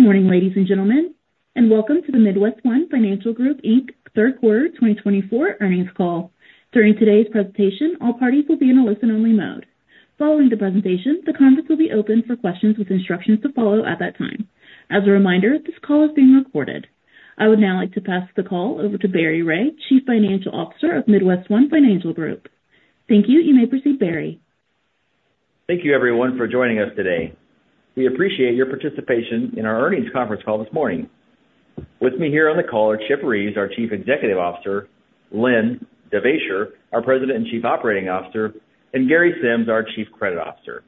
Good morning, ladies and gentlemen, and welcome to the MidwestOne Financial Group Inc. third quarter 2024 earnings call. During today's presentation, all parties will be in a listen-only mode. Following the presentation, the conference will be open for questions with instructions to follow at that time. As a reminder, this call is being recorded. I would now like to pass the call over to Barry Ray, Chief Financial Officer of MidwestOne Financial Group. Thank you. You may proceed, Barry. Thank you, everyone, for joining us today. We appreciate your participation in our earnings conference call this morning. With me here on the call are Chip Reeves, our Chief Executive Officer, Len Devaisher, our President and Chief Operating Officer, and Gary Sims, our Chief Credit Officer.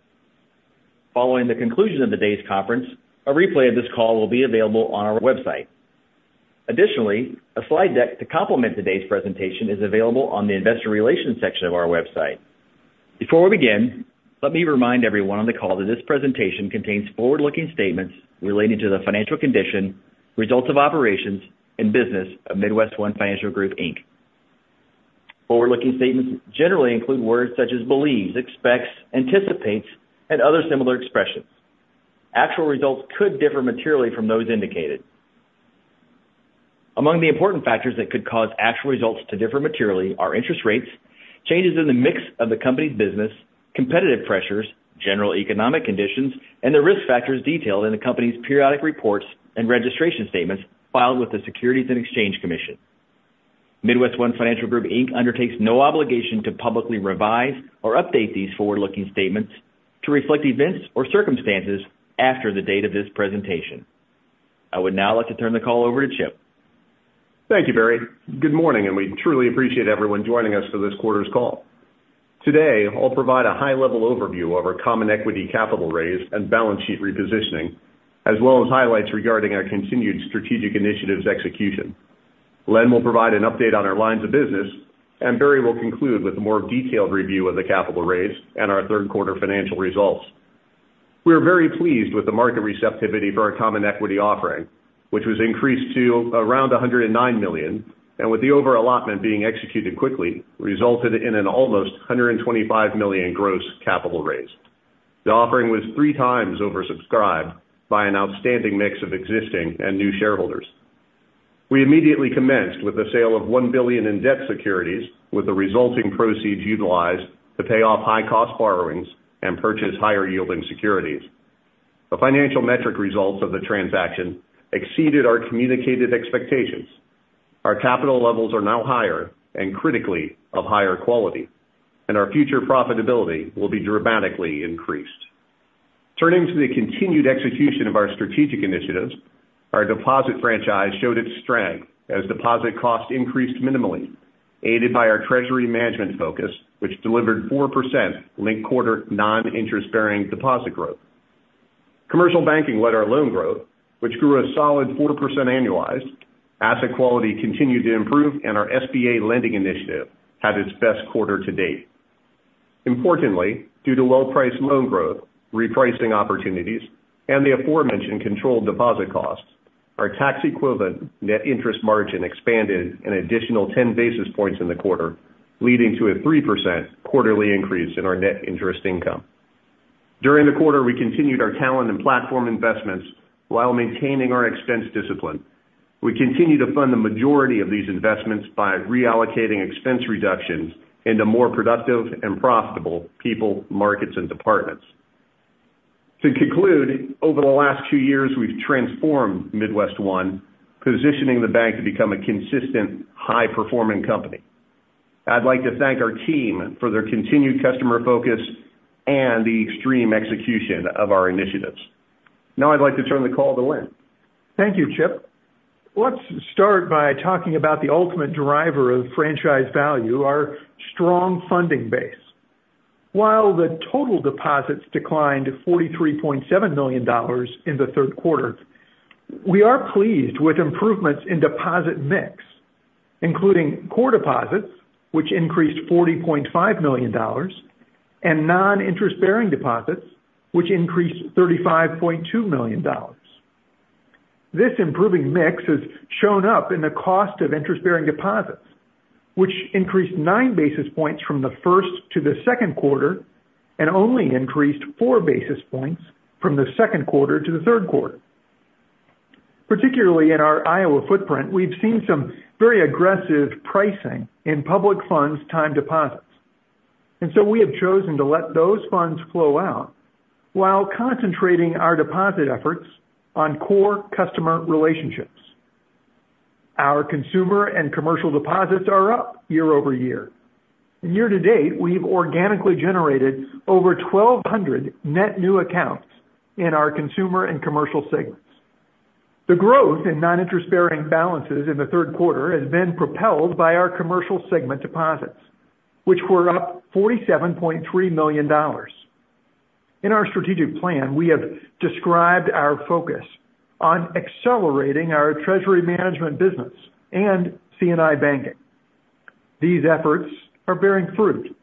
Following the conclusion of today's conference, a replay of this call will be available on our website. Additionally, a slide deck to complement today's presentation is available on the Investor Relations section of our website. Before we begin, let me remind everyone on the call that this presentation contains forward-looking statements relating to the financial condition, results of operations, and business of MidwestOne Financial Group Inc. Forward-looking statements generally include words such as believes, expects, anticipates, and other similar expressions. Actual results could differ materially from those indicated. Among the important factors that could cause actual results to differ materially are interest rates, changes in the mix of the company's business, competitive pressures, general economic conditions, and the risk factors detailed in the company's periodic reports and registration statements filed with the Securities and Exchange Commission. MidwestOne Financial Group Inc. undertakes no obligation to publicly revise or update these forward-looking statements to reflect events or circumstances after the date of this presentation. I would now like to turn the call over to Chip. Thank you, Barry. Good morning, and we truly appreciate everyone joining us for this quarter's call. Today, I'll provide a high-level overview of our common equity capital raise and balance sheet repositioning, as well as highlights regarding our continued strategic initiatives execution. Len will provide an update on our lines of business, and Barry will conclude with a more detailed review of the capital raise and our third quarter financial results. We are very pleased with the market receptivity for our common equity offering, which was increased to around $109 million, and with the over-allotment being executed quickly, resulted in an almost $125 million gross capital raise. The offering was three times oversubscribed by an outstanding mix of existing and new shareholders. We immediately commenced with the sale of $1 billion in debt securities, with the resulting proceeds utilized to pay off high-cost borrowings and purchase higher-yielding securities. The financial metric results of the transaction exceeded our communicated expectations. Our capital levels are now higher and critically of higher quality, and our future profitability will be dramatically increased. Turning to the continued execution of our strategic initiatives, our deposit franchise showed its strength as deposit costs increased minimally, aided by our treasury management focus, which delivered 4% linked quarter non-interest-bearing deposit growth. Commercial banking led our loan growth, which grew a solid 40% annualized. Asset quality continued to improve, and our SBA lending initiative had its best quarter to date. Importantly, due to well-priced loan growth, repricing opportunities, and the aforementioned controlled deposit costs, our tax-equivalent net interest margin expanded an additional ten basis points in the quarter, leading to a 3% quarterly increase in our net interest income. During the quarter, we continued our talent and platform investments while maintaining our expense discipline. We continue to fund the majority of these investments by reallocating expense reductions into more productive and profitable people, markets, and departments. To conclude, over the last two years, we've transformed MidwestOne, positioning the bank to become a consistent, high-performing company. I'd like to thank our team for their continued customer focus and the extreme execution of our initiatives. Now, I'd like to turn the call to Len. Thank you, Chip. Let's start by talking about the ultimate driver of franchise value, our strong funding base. While the total deposits declined to $43.7 million in the third quarter, we are pleased with improvements in deposit mix, including core deposits, which increased $40.5 million, and non-interest-bearing deposits, which increased $35.2 million. This improving mix has shown up in the cost of interest-bearing deposits, which increased nine basis points from the first to the second quarter and only increased four basis points from the second quarter to the third quarter. Particularly in our Iowa footprint, we've seen some very aggressive pricing in public funds' time deposits, and so we have chosen to let those funds flow out while concentrating our deposit efforts on core customer relationships. Our consumer and commercial deposits are up year-over-year. Year to date, we've organically generated over 1,200 net new accounts in our consumer and commercial segments. The growth in non-interest-bearing balances in the third quarter has been propelled by our commercial segment deposits, which were up $47.3 million. In our strategic plan, we have described our focus on accelerating our treasury management business and C&I banking. These efforts are bearing fruit.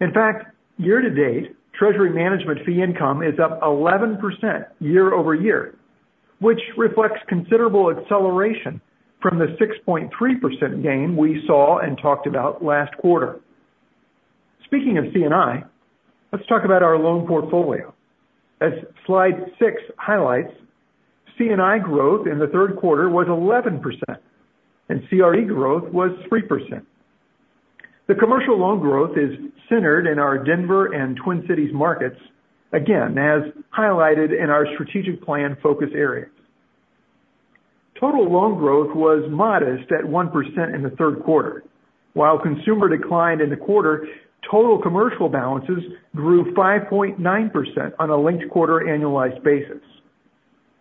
In fact, year to date, treasury management fee income is up 11% year-over-year, which reflects considerable acceleration from the 6.3% gain we saw and talked about last quarter. Speaking of C&I, let's talk about our loan portfolio. As slide six highlights, C&I growth in the third quarter was 11%, and CRE growth was 3%. The commercial loan growth is centered in our Denver and Twin Cities markets, again, as highlighted in our strategic plan focus areas. Total loan growth was modest at 1% in the third quarter. While consumer declined in the quarter, total commercial balances grew 5.9% on a linked quarter annualized basis.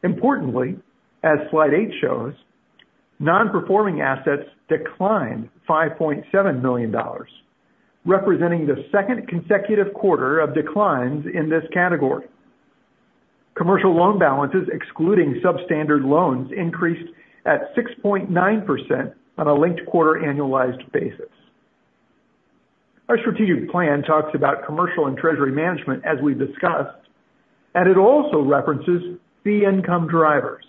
Importantly, as slide eight shows, non-performing assets declined $5.7 million, representing the second consecutive quarter of declines in this category. Commercial loan balances, excluding substandard loans, increased at 6.9% on a linked quarter annualized basis. Our strategic plan talks about commercial and treasury management, as we've discussed, and it also references fee income drivers.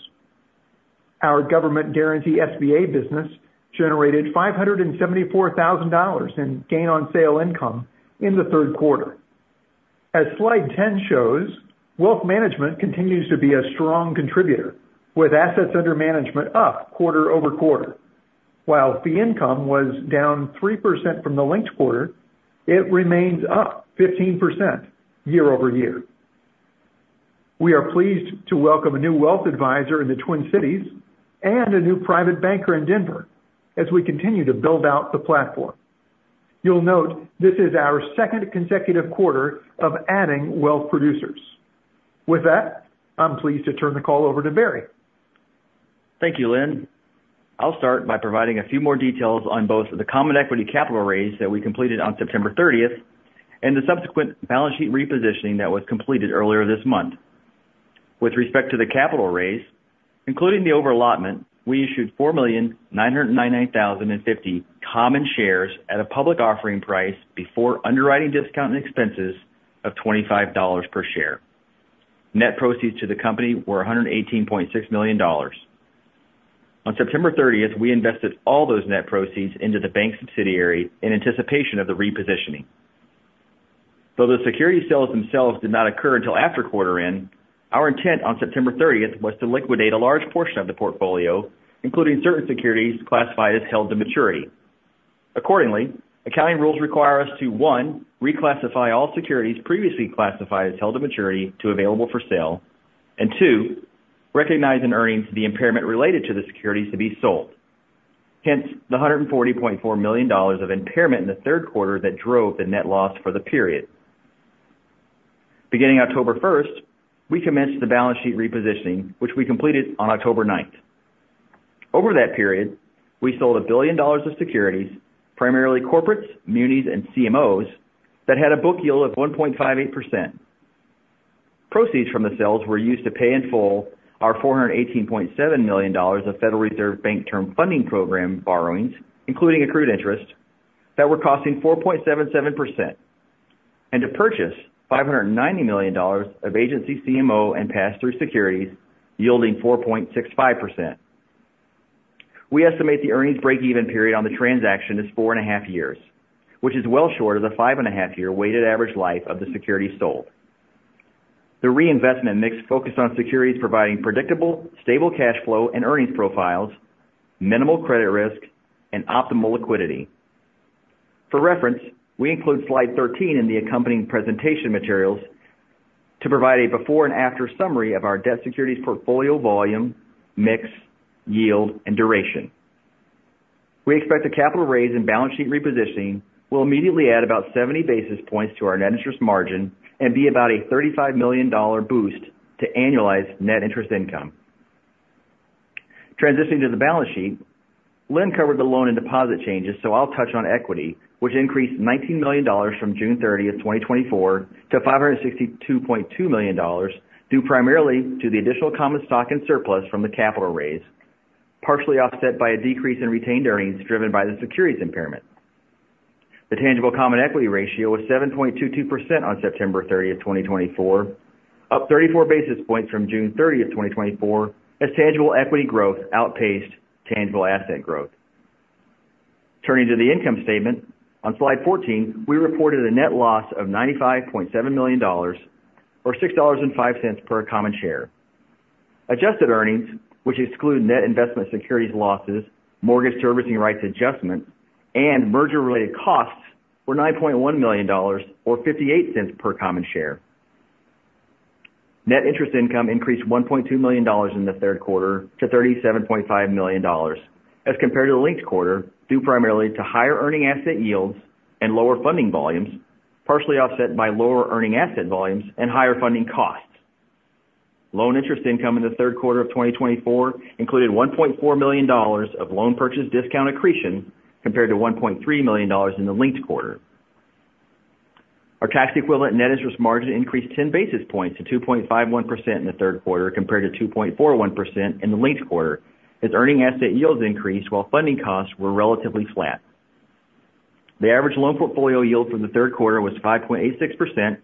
Our government guarantee SBA business generated $574,000 in gain on sale income in the third quarter. As slide 10 shows, wealth management continues to be a strong contributor, with assets under management up quarter over quarter. While fee income was down 3% from the linked quarter, it remains up 15% year-over-year. We are pleased to welcome a new wealth advisor in the Twin Cities and a new private banker in Denver as we continue to build out the platform. You'll note this is our second consecutive quarter of adding wealth producers. With that, I'm pleased to turn the call over to Barry. Thank you, Len. I'll start by providing a few more details on both the common equity capital raise that we completed on September thirtieth and the subsequent balance sheet repositioning that was completed earlier this month. With respect to the capital raise, including the over-allotment, we issued 4,990,050 common shares at a public offering price before underwriting discount and expenses of $25 per share. Net proceeds to the company were $118.6 million. On September 30th, we invested all those net proceeds into the bank subsidiary in anticipation of the repositioning. Though the security sales themselves did not occur until after quarter end, our intent on September 30th was to liquidate a large portion of the portfolio, including certain securities classified as held to maturity. Accordingly, accounting rules require us to, one, reclassify all securities previously classified as held to maturity to available for sale, and two, recognize in earnings the impairment related to the securities to be sold. Hence, the $140.4 million of impairment in the third quarter that drove the net loss for the period. Beginning October first, we commenced the balance sheet repositioning, which we completed on October ninth. Over that period, we sold $1 billion of securities, primarily corporates, munis and CMOs, that had a book yield of 1.58%. Proceeds from the sales were used to pay in full our $418.7 million of Federal Reserve Bank Term Funding Program borrowings, including accrued interest, that were costing 4.77%, and to purchase $590 million of agency CMO and pass-through securities, yielding 4.65%. We estimate the earnings break-even period on the transaction is 4.5 years, which is well short of the 5.5-year weighted average life of the securities sold. The reinvestment mix focused on securities providing predictable, stable cash flow and earnings profiles, minimal credit risk, and optimal liquidity. For reference, we include slide 13 in the accompanying presentation materials to provide a before and after summary of our debt securities portfolio volume, mix, yield, and duration. We expect the capital raise and balance sheet repositioning will immediately add about 70 basis points to our net interest margin and be about a $35 million boost to annualized net interest income. Transitioning to the balance sheet, Len covered the loan and deposit changes, so I'll touch on equity, which increased $19 million from June 30, 2024, to $562.2 million, due primarily to the additional common stock and surplus from the capital raise, partially offset by a decrease in retained earnings driven by the securities impairment. The tangible common equity ratio was 7.22% on September 30, 2024, up 34 basis points from June 30, 2024, as tangible equity growth outpaced tangible asset growth. Turning to the income statement, on slide 14, we reported a net loss of $95.7 million, or $6.05 per common share. Adjusted earnings, which exclude net investment securities losses, mortgage servicing rights adjustments, and merger-related costs, were $9.1 million, or $0.58 per common share. Net interest income increased $1.2 million in the third quarter to $37.5 million as compared to the linked quarter, due primarily to higher earning asset yields and lower funding volumes, partially offset by lower earning asset volumes and higher funding costs. Loan interest income in the third quarter of 2024 included $1.4 million of loan purchase discount accretion, compared to $1.3 million in the linked quarter. Our tax-equivalent net interest margin increased 10 basis points to 2.51% in the third quarter, compared to 2.41% in the linked quarter, as earning asset yields increased while funding costs were relatively flat. The average loan portfolio yield for the third quarter was 5.86%,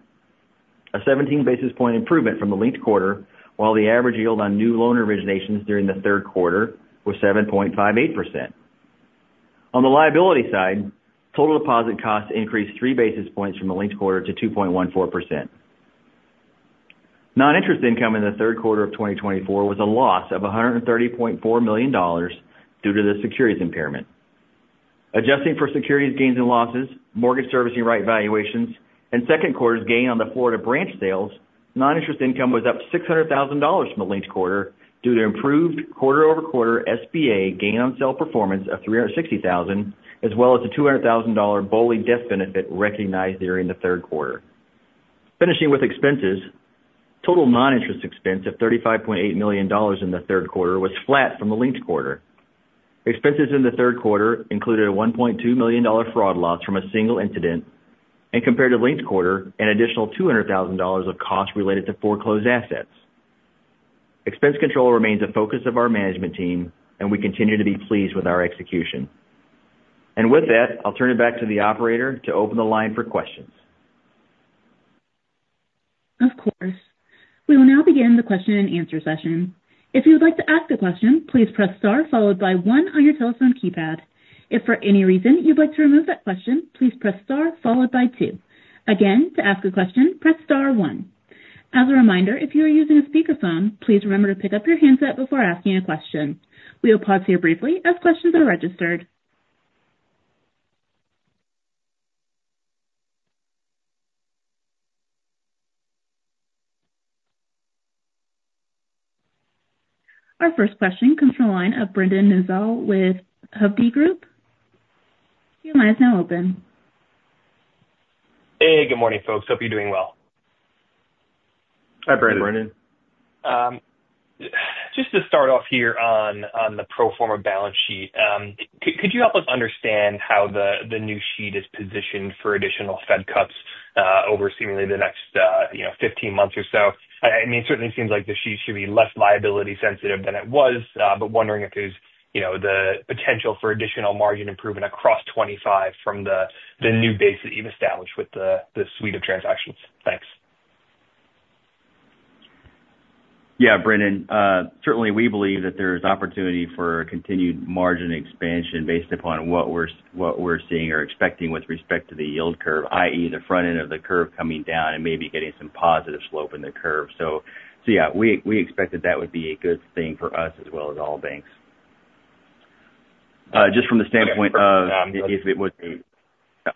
a 17 basis point improvement from the linked quarter, while the average yield on new loan originations during the third quarter was 7.58%. On the liability side, total deposit costs increased 3 basis points from the linked quarter to 2.14%. Non-interest income in the third quarter of 2024 was a loss of $130.4 million due to the securities impairment. Adjusting for securities gains and losses, mortgage servicing right valuations, and second quarter's gain on the Florida branch sales, non-interest income was up $600,000 from the linked quarter due to improved quarter over quarter SBA gain on sale performance of $360,000, as well as a $200,000 BOLI death benefit recognized during the third quarter. Finishing with expenses, total non-interest expense of $35.8 million in the third quarter was flat from the linked quarter. Expenses in the third quarter included a $1.2 million fraud loss from a single incident, and compared to linked quarter, an additional $200,000 of costs related to foreclosed assets. Expense control remains a focus of our management team, and we continue to be pleased with our execution. With that, I'll turn it back to the operator to open the line for questions. Of course. We will now begin the question and answer session. If you would like to ask a question, please press star followed by one on your telephone keypad. If for any reason you'd like to remove that question, please press star followed by two. Again, to ask a question, press star one. As a reminder, if you are using a speakerphone, please remember to pick up your handset before asking a question. We will pause here briefly as questions are registered. Our first question comes from the line of Brendan Nosal with Hovde Group. Your line is now open. Hey, good morning, folks. Hope you're doing well. Hi, Brendan. Hi, Brendan. Just to start off here on the pro forma balance sheet, could you help us understand how the new sheet is positioned for additional Fed cuts over seemingly the next, you know, 15 months or so? I mean, it certainly seems like the sheet should be less liability sensitive than it was, but wondering if there's, you know, the potential for additional margin improvement across 2025 from the new base that you've established with the suite of transactions. Thanks. Yeah, Brendan, certainly we believe that there is opportunity for continued margin expansion based upon what we're seeing or expecting with respect to the yield curve, i.e., the front end of the curve coming down and maybe getting some positive slope in the curve. So, yeah, we expect that that would be a good thing for us as well as all banks. Just from the standpoint of if it would-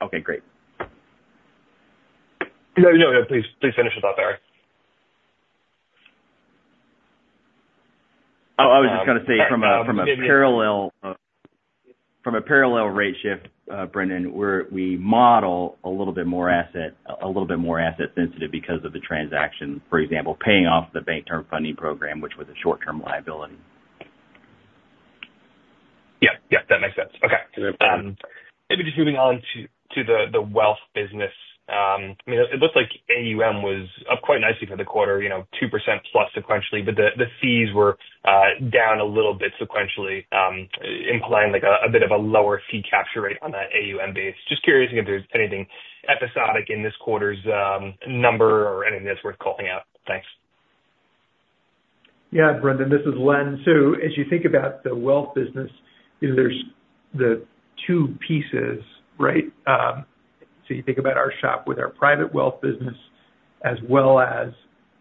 Okay, great. Yeah, no, please, please finish the thought, sorry. Oh, I was just gonna say from a parallel rate shift, Brendan, we model a little bit more asset sensitive because of the transaction. For example, paying off the Bank Term Funding Program, which was a short-term liability. Yep. Yep, that makes sense. Okay. Maybe just moving on to the wealth business. I mean, it looks like AUM was up quite nicely for the quarter, you know, 2% plus sequentially, but the fees were down a little bit sequentially, implying like a bit of a lower fee capture rate on that AUM base. Just curious if there's anything episodic in this quarter's number or anything that's worth calling out. Thanks. Yeah, Brendan, this is Len. So as you think about the wealth business, you know, there's the two pieces, right? So you think about our shop with our private wealth business, as well as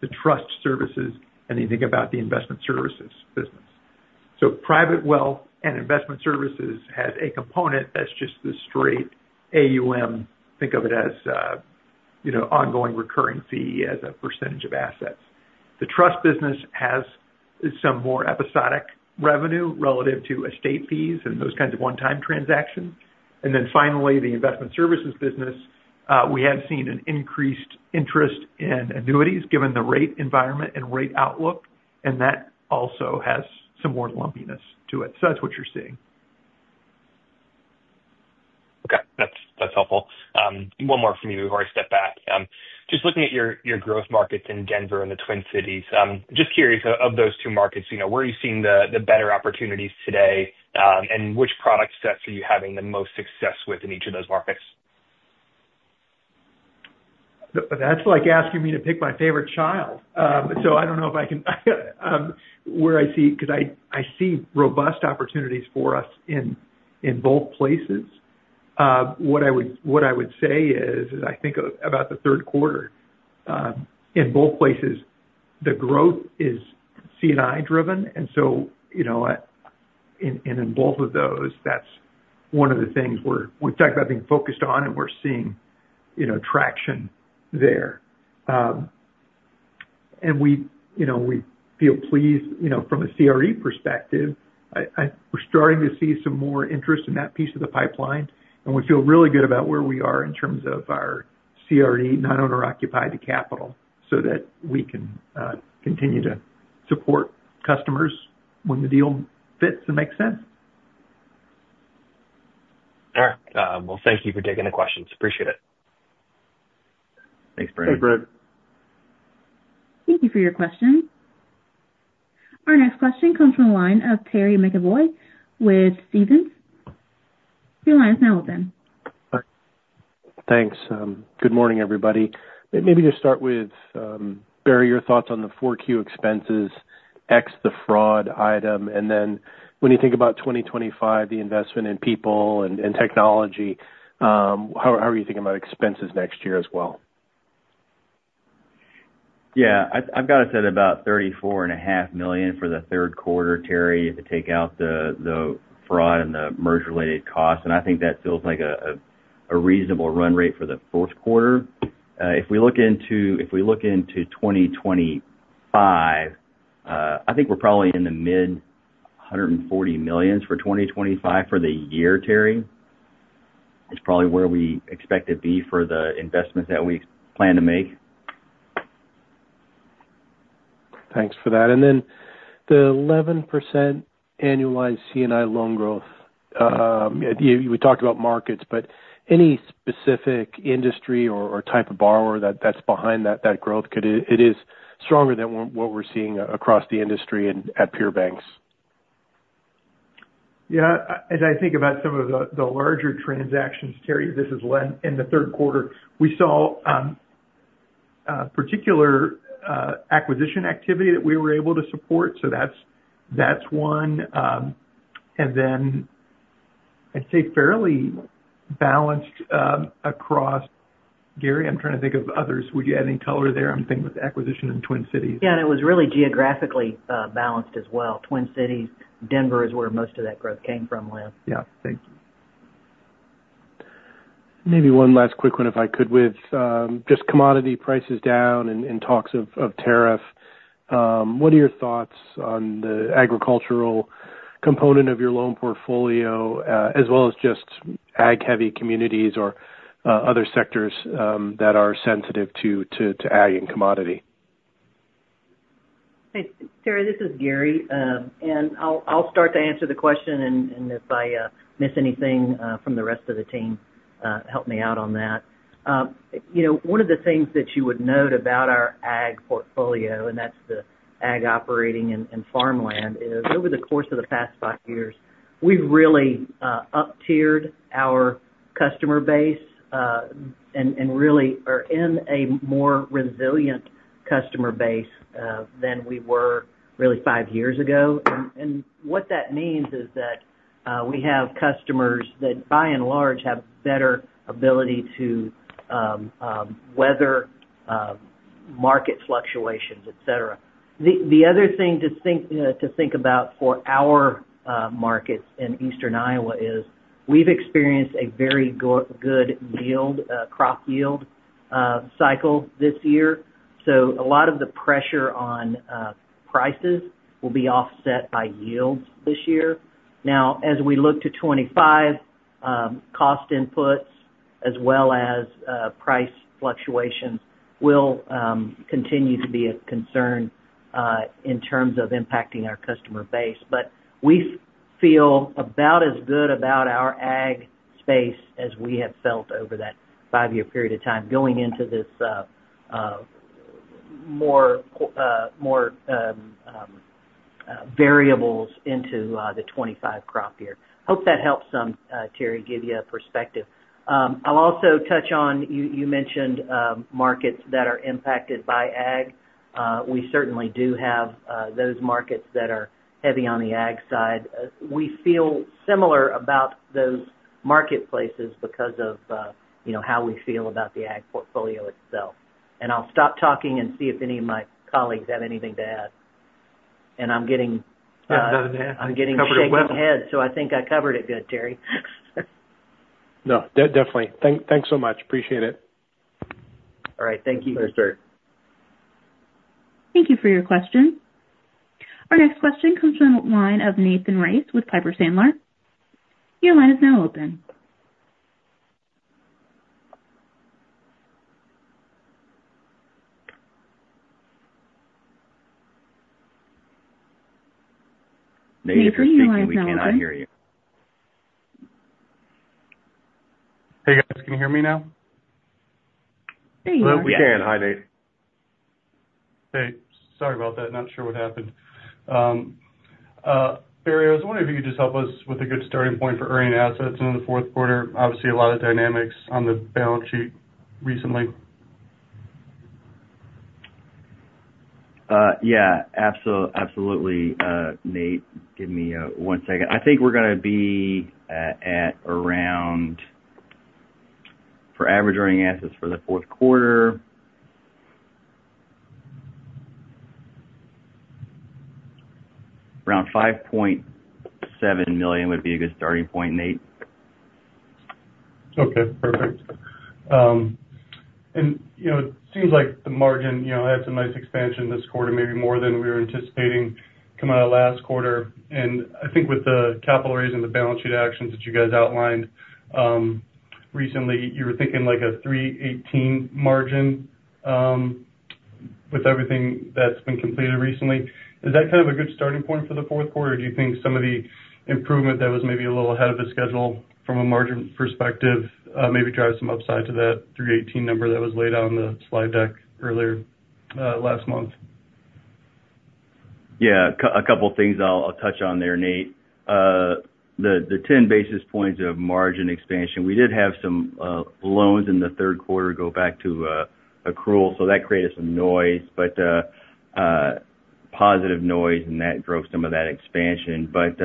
the trust services, and you think about the investment services business. So private wealth and investment services has a component that's just the straight AUM. Think of it as, you know, ongoing recurring fee as a percentage of assets. The trust business has some more episodic revenue relative to estate fees and those kinds of one-time transactions. And then finally, the investment services business, we have seen an increased interest in annuities, given the rate environment and rate outlook, and that also has some more lumpiness to it. So that's what you're seeing. Okay. That's helpful. One more for me before I step back. Just looking at your growth markets in Denver and the Twin Cities, just curious, of those two markets, you know, where are you seeing the better opportunities today, and which product sets are you having the most success with in each of those markets? That's like asking me to pick my favorite child. So I don't know if I can, because I see robust opportunities for us in both places. What I would say is, as I think about the third quarter, in both places, the growth is C&I driven. And so, you know, and in both of those, that's one of the things we've talked about being focused on, and we're seeing, you know, traction there. And we, you know, we feel pleased, you know, from a CRE perspective. We're starting to see some more interest in that piece of the pipeline, and we feel really good about where we are in terms of our CRE, non-owner-occupied capital, so that we can continue to support customers when the deal fits and makes sense. All right. Well, thank you for taking the questions. Appreciate it. Thanks, Brendan. Thanks, Brendan. Thank you for your question. Our next question comes from the line of Terry McEvoy with Stephens. Your line is now open. Thanks. Good morning, everybody. Maybe just start with Barry, your thoughts on the 4Q expenses X the fraud item, and then when you think about 2025, the investment in people and technology, how are you thinking about expenses next year as well? Yeah, I've got it at about $34.5 million for the third quarter, Terry, to take out the fraud and the merger related costs. And I think that feels like a reasonable run rate for the fourth quarter. If we look into 2025, I think we're probably in the mid-140 millions for 2025 for the year, Terry. It's probably where we expect to be for the investment that we plan to make. Thanks for that. And then the 11% annualized C&I loan growth, you talked about markets, but any specific industry or type of borrower that's behind that growth? It is stronger than what we're seeing across the industry and at peer banks. Yeah, as I think about some of the larger transactions, Terry, this is Len. In the third quarter, we saw a particular acquisition activity that we were able to support. So that's one. And then I'd say fairly balanced across. Gary, I'm trying to think of others. Would you add any color there? I'm thinking with acquisition in Twin Cities. Yeah, and it was really geographically balanced as well. Twin Cities, Denver is where most of that growth came from, Len. Yeah. Thank you. Maybe one last quick one, if I could, with just commodity prices down and talks of tariff. What are your thoughts on the agricultural component of your loan portfolio, as well as just ag-heavy communities or other sectors that are sensitive to ag and commodity? Hey, Terry, this is Gary. And I'll start to answer the question, and if I miss anything from the rest of the team, help me out on that. You know, one of the things that you would note about our ag portfolio, and that's the ag operating and farmland, is over the course of the past five years, we've really up-tiered our customer base, and really are in a more resilient customer base than we were really five years ago. And what that means is that we have customers that, by and large, have better ability to weather market fluctuations, et cetera. The other thing to think about for our markets in Eastern Iowa is we've experienced a very good yield crop yield cycle this year. So a lot of the pressure on prices will be offset by yields this year. Now, as we look to 2025, cost inputs as well as price fluctuations will continue to be a concern in terms of impacting our customer base. But we feel about as good about our ag space as we have felt over that five-year period of time going into this more variables into the 2025 crop year. Hope that helps some, Terry, give you a perspective. I'll also touch on you mentioned markets that are impacted by ag. We certainly do have those markets that are heavy on the ag side. We feel similar about those marketplaces because of, you know, how we feel about the ag portfolio itself. And I'll stop talking and see if any of my colleagues have anything to add. And I'm getting, Nothing to add. I'm getting shakes of head, so I think I covered it good, Terry. No, definitely. Thanks so much. Appreciate it. All right. Thank you. Thanks, Terry. Thank you for your question. Our next question comes from the line of Nathan Race with Piper Sandler. Your line is now open. Nathan, your line is now open. Nate, if you're speaking, we cannot hear you. Hey, guys, can you hear me now? There you are, yes. We can. Hi, Nate. Hey, sorry about that. Not sure what happened. Barry, I was wondering if you could just help us with a good starting point for earning assets in the fourth quarter. Obviously, a lot of dynamics on the balance sheet recently. Yeah, absolutely, Nate. Give me one second. I think we're gonna be at around for average earning assets for the fourth quarter, around $5.7 million would be a good starting point, Nate. Okay, perfect. And, you know, it seems like the margin, you know, had some nice expansion this quarter, maybe more than we were anticipating coming out of last quarter. And I think with the capital raise and the balance sheet actions that you guys outlined, recently, you were thinking like a 3.18 margin, with everything that's been completed recently. Is that kind of a good starting point for the fourth quarter, or do you think some of the improvement that was maybe a little ahead of the schedule from a margin perspective, maybe drive some upside to that 3.18 number that was laid out on the slide deck earlier, last month? Yeah, a couple things I'll touch on there, Nate. The ten basis points of margin expansion, we did have some loans in the third quarter go back to accrual, so that created some noise, but positive noise, and that drove some of that expansion. But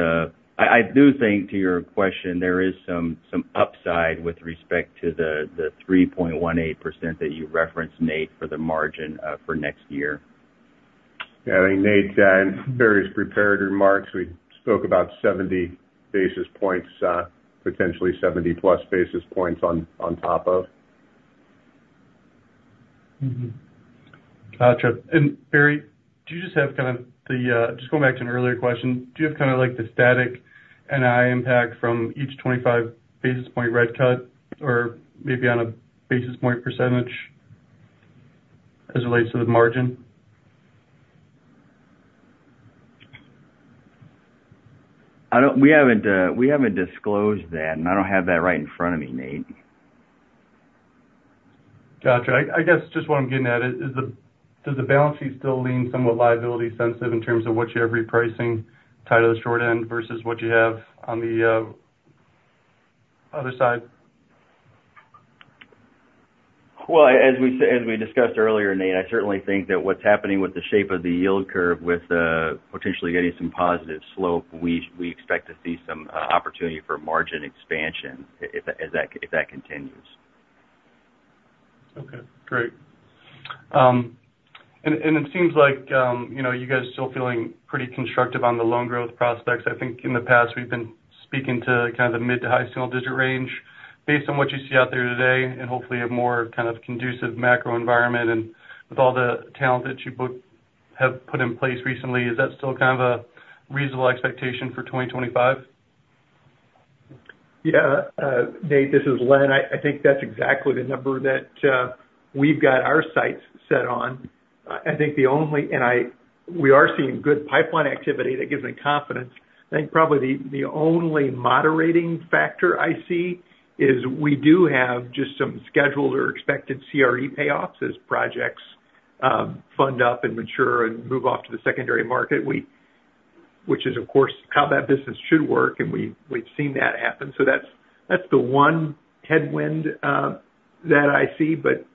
I do think, to your question, there is some upside with respect to the 3.18% that you referenced, Nate, for the margin for next year. Yeah, I mean, Nate, in various prepared remarks, we spoke about 70 basis points, potentially 70-plus basis points on top of. Mm-hmm. Gotcha. And Barry, do you just have kind of the just going back to an earlier question, do you have kind of like the static NI impact from each 25 basis point rate cut or maybe on a basis point percentage as it relates to the margin? We haven't disclosed that, and I don't have that right in front of me, Nate. Gotcha. I guess just what I'm getting at is, does the balance sheet still lean somewhat liability sensitive in terms of what you have repricing tied to the short end versus what you have on the other side? As we discussed earlier, Nate, I certainly think that what's happening with the shape of the yield curve with potentially getting some positive slope, we expect to see some opportunity for margin expansion if that continues. Okay, great. And it seems like, you know, you guys are still feeling pretty constructive on the loan growth prospects. I think in the past, we've been speaking to kind of the mid to high single digit range. Based on what you see out there today, and hopefully a more kind of conducive macro environment, and with all the talent that you both have put in place recently, is that still kind of a reasonable expectation for 2025? Yeah. Nate, this is Len. I think that's exactly the number that we've got our sights set on. I think the only we are seeing good pipeline activity that gives me confidence. I think probably the only moderating factor I see is we do have just some scheduled or expected CRE payoffs as projects fund up and mature and move off to the secondary market. Which is, of course, how that business should work, and we've seen that happen. So that's the one headwind that I see. But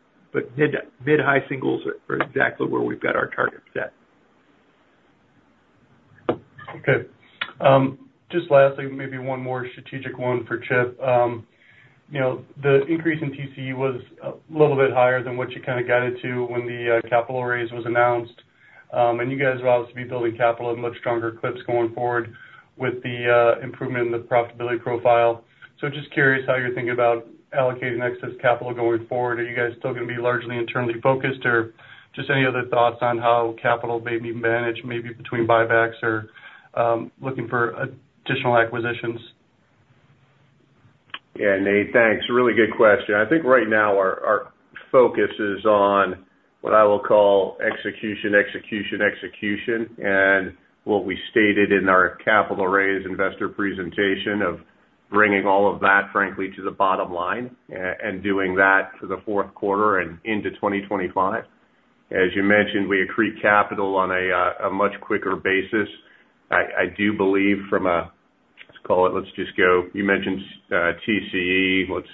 mid- to mid-high singles are exactly where we've got our targets set. Okay. Just lastly, maybe one more strategic one for Chip. You know, the increase in TCE was a little bit higher than what you kind of guided to when the capital raise was announced. And you guys will obviously be building capital at much stronger clips going forward with the improvement in the profitability profile. So just curious how you're thinking about allocating excess capital going forward. Are you guys still going to be largely internally focused, or just any other thoughts on how capital may be managed, maybe between buybacks or looking for additional acquisitions? Yeah, Nate, thanks. Really good question. I think right now our focus is on what I will call execution, execution, execution, and what we stated in our capital raise investor presentation of bringing all of that, frankly, to the bottom line, and doing that for the fourth quarter and into 2025. As you mentioned, we accrete capital on a much quicker basis. I do believe from a, let's call it, let's just go. You mentioned, TCE. Let's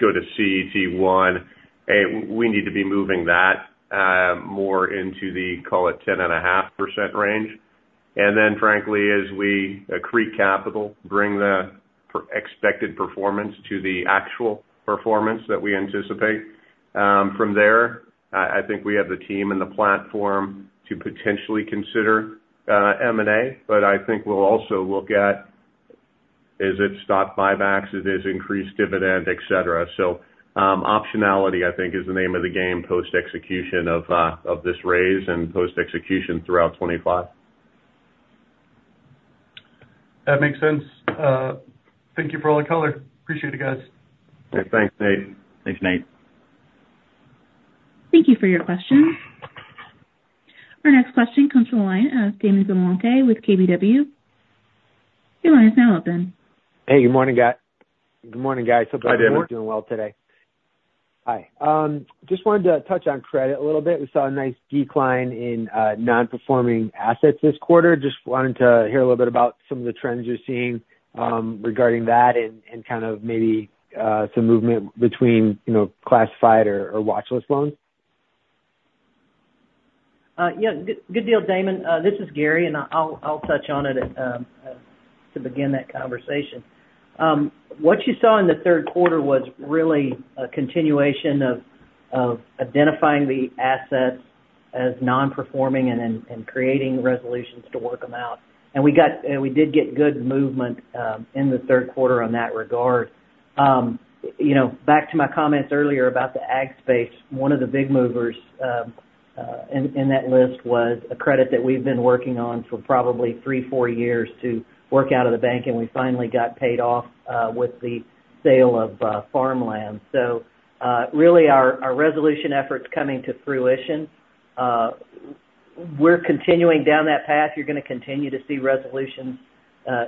go to CET1. We need to be moving that more into the, call it, 10.5% range. Then frankly, as we accrete capital, bring the expected performance to the actual performance that we anticipate. From there, I think we have the team and the platform to potentially consider M&A, but I think we'll also look at stock buybacks, increased dividend, et cetera. So, optionality, I think, is the name of the game post-execution of this raise and post-execution throughout 2025. That makes sense. Thank you for all the color. Appreciate it, guys. Thanks, Nate. Thanks, Nate. Thank you for your question. Our next question comes from the line of Damon DelMonte with KBW. Your line is now open. Hey, good morning, guys. Hi, Damon. Hope you're doing well today. Hi, just wanted to touch on credit a little bit. We saw a nice decline in non-performing assets this quarter. Just wanted to hear a little bit about some of the trends you're seeing regarding that and kind of maybe some movement between, you know, classified or watchlist loans. Yeah, good deal, Damon. This is Gary, and I'll touch on it to begin that conversation. What you saw in the third quarter was really a continuation of identifying the assets as non-performing and then creating resolutions to work them out, and we got we did get good movement in the third quarter on that regard. You know, back to my comments earlier about the ag space, one of the big movers in that list was a credit that we've been working on for probably three, four years to work out of the bank, and we finally got paid off with the sale of farmland. So, really, our resolution efforts coming to fruition. We're continuing down that path. You're going to continue to see resolutions.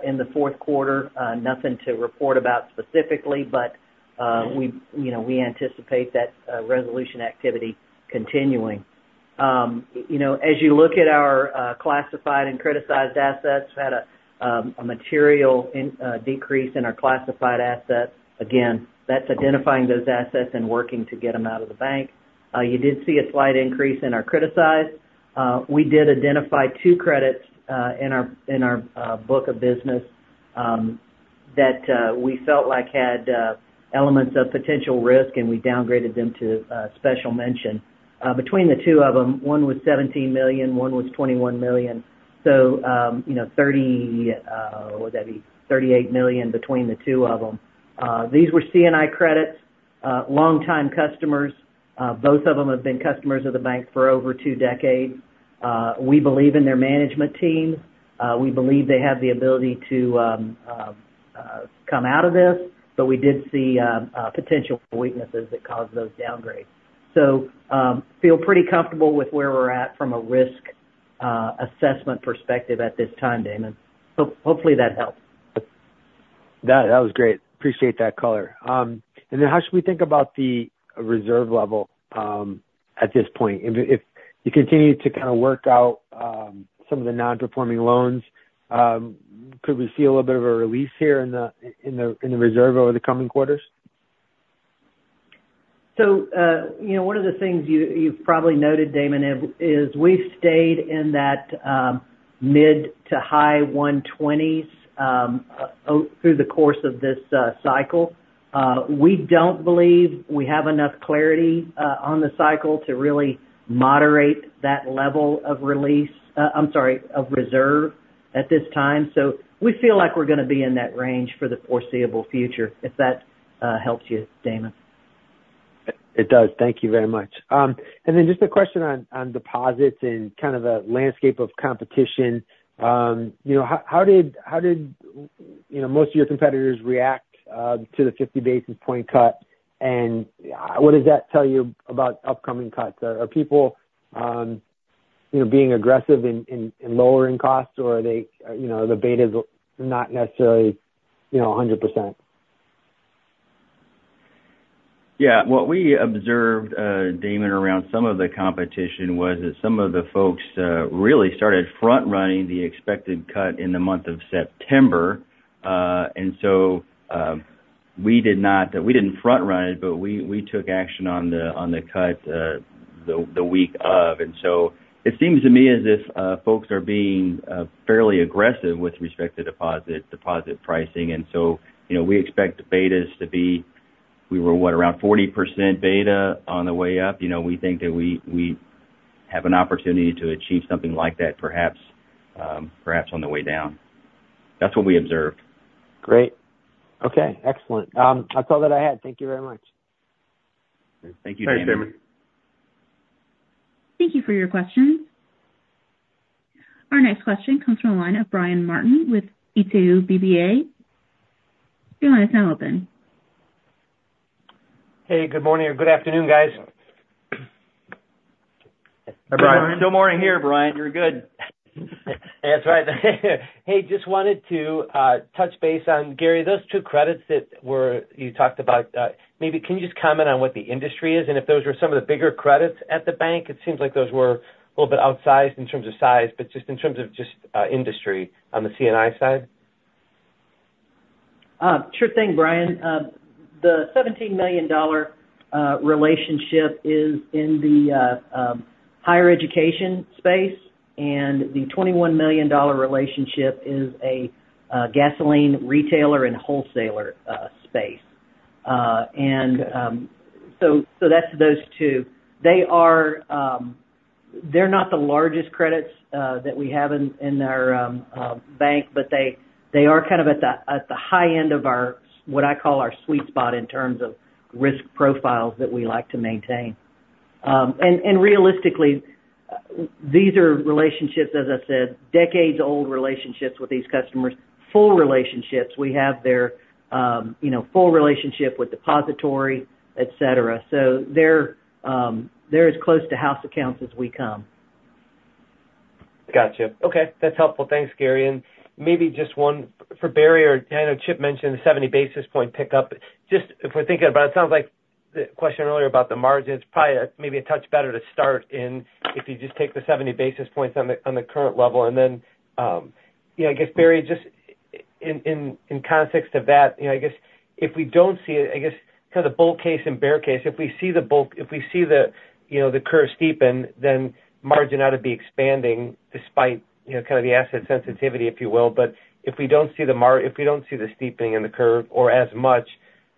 In the fourth quarter, nothing to report about specifically, but we, you know, we anticipate that resolution activity continuing. You know, as you look at our classified and criticized assets, we had a material decrease in our classified assets. Again, that's identifying those assets and working to get them out of the bank. You did see a slight increase in our criticized. We did identify two credits in our book of business that we felt like had elements of potential risk, and we downgraded them to special mention. Between the two of them, one was $17 million, one was $21 million. So you know, 30, what would that be? $38 million between the two of them. These were C&I credits, longtime customers. Both of them have been customers of the bank for over two decades. We believe in their management team. We believe they have the ability to come out of this, but we did see potential weaknesses that caused those downgrades. So, feel pretty comfortable with where we're at from a risk assessment perspective at this time, Damon. So hopefully that helps. That was great. Appreciate that color, and then how should we think about the reserve level at this point? If you continue to kind of work out some of the non-performing loans, could we see a little bit of a release here in the reserve over the coming quarters? So, you know, one of the things you, you've probably noted, Damon, is we've stayed in that mid to high one twenties through the course of this cycle. We don't believe we have enough clarity on the cycle to really moderate that level of release, I'm sorry, of reserve at this time. So we feel like we're gonna be in that range for the foreseeable future, if that helps you, Damon. It does. Thank you very much. And then just a question on deposits and kind of the landscape of competition. You know, how did most of your competitors react to the 50 basis point cut? And what does that tell you about upcoming cuts? Are people you know being aggressive in lowering costs or are they you know the beta's not necessarily you know 100%? Yeah. What we observed, Damon, around some of the competition was that some of the folks really started front-running the expected cut in the month of September. And so, we didn't front-run it, but we took action on the cut the week of. And so it seems to me as if folks are being fairly aggressive with respect to deposit pricing. And so, you know, we expect the betas to be where we were, what? Around 40% beta on the way up. You know, we think that we have an opportunity to achieve something like that, perhaps on the way down. That's what we observed. Great. Okay, excellent. That's all that I had. Thank you very much. Thank you, Damon. Thanks, Damon. Thank you for your questions. Our next question comes from the line of Brian Martin with Janney Montgomery Scott. Your line is now open. Hey, good morning or good afternoon, guys. Hi, Brian. Still morning here, Brian. You're good. That's right. Hey, just wanted to touch base on, Gary, those two credits that you talked about. Maybe can you just comment on what the industry is, and if those were some of the bigger credits at the bank? It seems like those were a little bit outsized in terms of size, but just in terms of industry on the C&I side. Sure thing, Brian. The $17 million relationship is in the higher education space, and the $21 million relationship is a gasoline retailer and wholesaler space. Okay. So that's those two. They are, they're not the largest credits that we have in our bank, but they are kind of at the high end of our, what I call our sweet spot, in terms of risk profiles that we like to maintain. And realistically, these are relationships, as I said, decades-old relationships with these customers, full relationships. We have their, you know, full relationship with depository, et cetera. So they're as close to house accounts as we come. Gotcha. Okay, that's helpful. Thanks, Gary. And maybe just one for Barry or, I know Chip mentioned the seventy basis point pickup. Just if we're thinking about it, it sounds like the question earlier about the margins, probably maybe a touch better to start in, if you just take the seventy basis points on the, on the current level. And then, you know, I guess, Barry, just in context of that, you know, I guess if we don't see it, I guess kind of bull case and bear case, if we see the bull case and bear case, if we see the, you know, the curve steepen, then margin ought to be expanding despite, you know, kind of the asset sensitivity, if you will. But if we don't see the steepening in the curve or as much,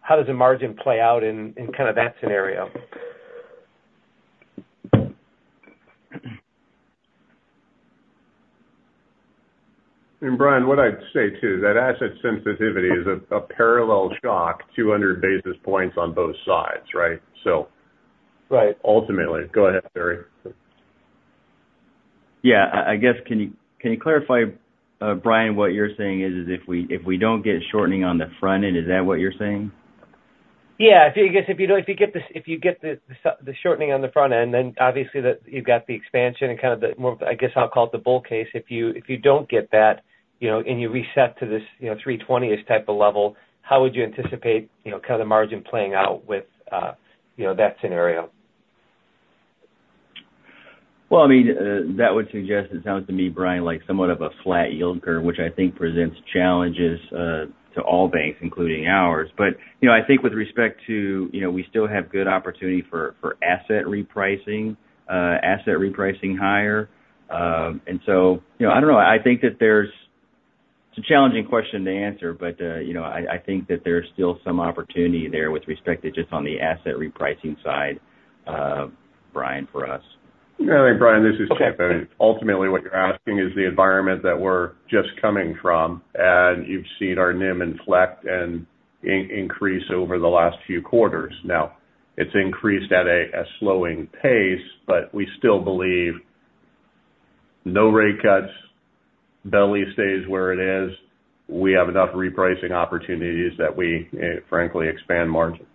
how does the margin play out in kind of that scenario? Brian, what I'd say, too, that asset sensitivity is a parallel shock, 200 basis points on both sides, right? So- Right. Ultimately. Go ahead, Barry. Yeah. I guess, can you clarify, Brian, what you're saying is if we don't get shortening on the front end, is that what you're saying? Yeah, I think, I guess if you get the shortening on the front end, then obviously that you've got the expansion and kind of the more, I guess, I'll call it the bull case. If you don't get that, you know, and you reset to this, you know, three twenties type of level, how would you anticipate, you know, kind of the margin playing out with, you know, that scenario? I mean, that would suggest. It sounds to me, Brian, like somewhat of a flat yield curve, which I think presents challenges to all banks, including ours. But, you know, I think with respect to, you know, we still have good opportunity for asset repricing higher. And so, you know, I don't know. I think that there's. It's a challenging question to answer, but, you know, I think that there's still some opportunity there with respect to just on the asset repricing side, Brian, for us. Yeah, Brian, this is Chip. And ultimately, what you're asking is the environment that we're just coming from, and you've seen our NIM inflect and increase over the last few quarters. Now, it's increased at a slowing pace, but we still believe no rate cuts, belly stays where it is. We have enough repricing opportunities that we frankly expand margin.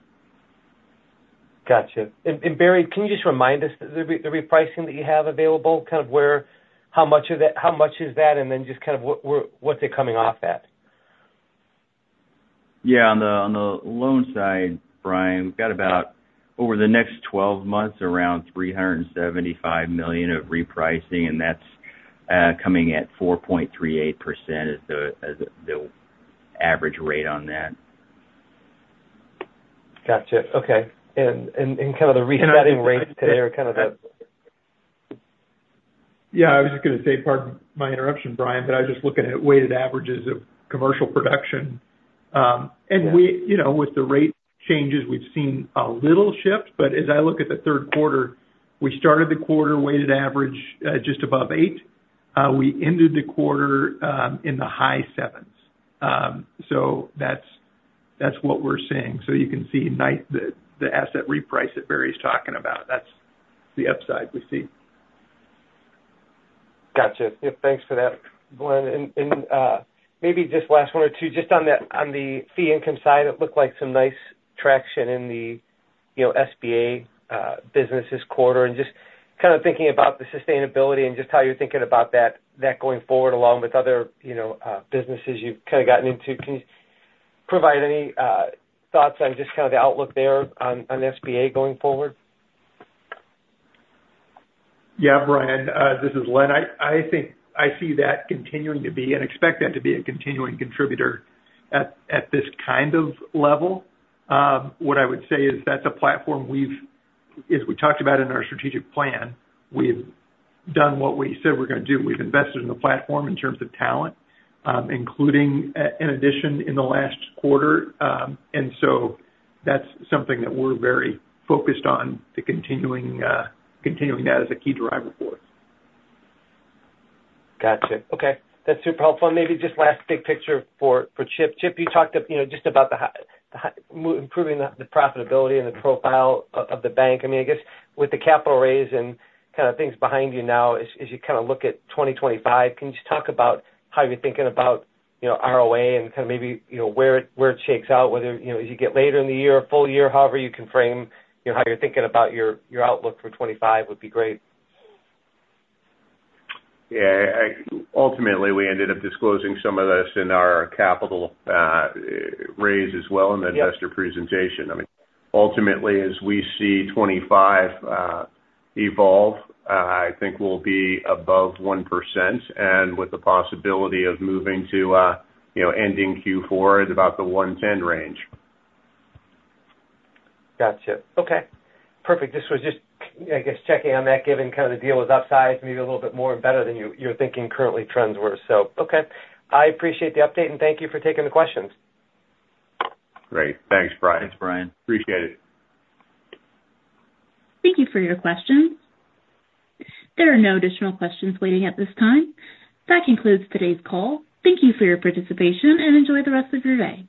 Gotcha. And Barry, can you just remind us the repricing that you have available, kind of where, how much of that, how much is that? And then just kind of what, where, what's it coming off at? Yeah, on the loan side, Brian, we've got about over the next twelve months around $375 million of repricing, and that's coming at 4.38% as the average rate on that. Gotcha. Okay. And kind of the resetting rates today are kind of the- Yeah, I was just gonna say, pardon my interruption, Brian, but I was just looking at weighted averages of commercial production. And we- Yeah. You know, with the rate changes, we've seen a little shift, but as I look at the third quarter, we started the quarter weighted average, just above eight. We ended the quarter, in the high sevens. So that's, that's what we're seeing. So you can see nice, the, the asset reprice that Barry's talking about, that's the upside we see. Gotcha. Yeah, thanks for that, Len. And maybe just last one or two, just on the fee income side, it looked like some nice traction in the, you know, SBA business this quarter. And just kind of thinking about the sustainability and just how you're thinking about that going forward, along with other, you know, businesses you've kind of gotten into. Can you provide any thoughts on just kind of the outlook there on SBA going forward? Yeah, Brian, this is Len. I think I see that continuing to be, and expect that to be a continuing contributor at this kind of level. What I would say is that's a platform we've, as we talked about in our strategic plan, we've done what we said we're gonna do. We've invested in the platform in terms of talent, including an addition in the last quarter. And so that's something that we're very focused on to continuing that as a key driver for us. Gotcha. Okay. That's super helpful, and maybe just last big picture for Chip. Chip, you talked, you know, just about improving the profitability and the profile of the bank. I mean, I guess with the capital raise and kind of things behind you now, as you kind of look at 2025, can you just talk about how you're thinking about, you know, ROA and kind of maybe, you know, where it shakes out, whether, you know, as you get later in the year or full year, however you can frame, you know, how you're thinking about your outlook for 2025 would be great. Yeah, ultimately, we ended up disclosing some of this in our capital raise as well. Yeah in the investor presentation. I mean, ultimately, as we see 2025, evolve, I think we'll be above 1% and with the possibility of moving to, you know, ending Q4 at about the 1.10 range. Gotcha. Okay, perfect. This was just, I guess, checking on that, given kind of the deal was upsized, maybe a little bit more and better than you're thinking current trends were. So, okay, I appreciate the update, and thank you for taking the questions. Great. Thanks, Brian. Thanks, Brian. Appreciate it. Thank you for your questions. There are no additional questions waiting at this time. That concludes today's call. Thank you for your participation, and enjoy the rest of your day.